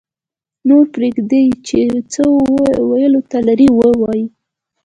-نور پرېږدئ چې څه ویلو ته لري ویې وایي